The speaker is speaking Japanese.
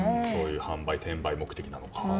販売・転売目的なのか。